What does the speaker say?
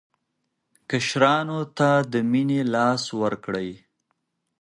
کشرانو ته د مینې لاس ورکړئ.